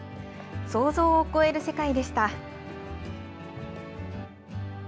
想像を超える世界でした。